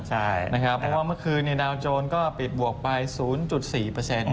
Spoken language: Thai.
เพราะว่าเมื่อคืนดาวโจรก็ปิดบวกไป๐๔